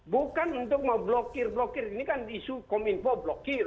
bukan untuk memblokir blokir ini kan isu kominfo blokir